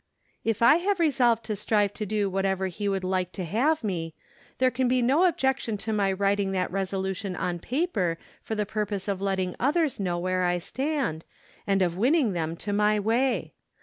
"If I have resolved to strive to do Avhatever He would like to have me, there can be no objection to my writing that res¬ olution on paper for the purpose of letting others know where I stand, and of winning them to my way.